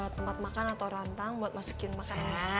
tempat makan atau rantang buat masukin makanan